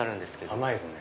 甘いですね。